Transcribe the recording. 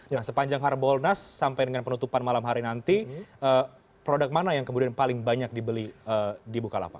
nah sepanjang harbolnas sampai dengan penutupan malam hari nanti produk mana yang kemudian paling banyak dibeli di bukalapak